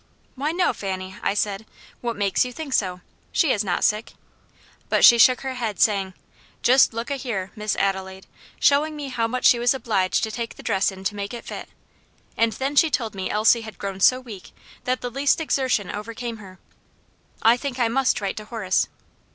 'Why no, Fanny,' I said, 'what makes you think so? she is not sick.' But she shook her head, saying, 'Just look a here, Miss Adelaide,' showing me how much she was obliged to take the dress in to make it fit, and then she told me Elsie had grown so weak that the least exertion overcame her. I think I must write to Horace."